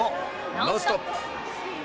「ノンストップ！」。